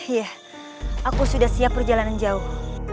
iya aku sudah siap perjalanan jauh